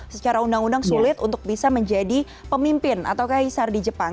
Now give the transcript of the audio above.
secara undang undang sulit untuk bisa menjadi pemimpin atau kaisar di jepang